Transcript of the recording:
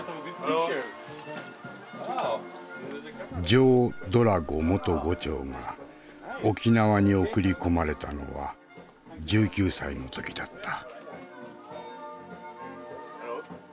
ジョー・ドラゴ元伍長が沖縄に送り込まれたのは１９歳の時だった。